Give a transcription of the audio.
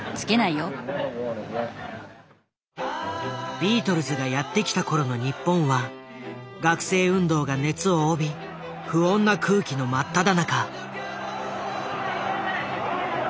ビートルズがやってきた頃の日本は学生運動が熱を帯び不穏な空気のまっただ中。